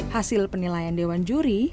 hasil penilaian dewan juri